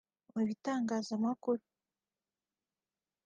mu bitangazamakuru